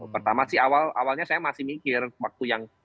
pertama sih awalnya saya masih mikir waktu yang